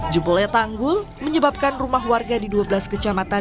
jebolnya tanggul menyebabkan rumah warga di dua belas kecamatan